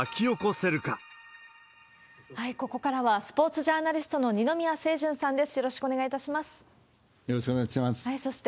ここからは、スポーツジャーナリストの二宮清純さんです。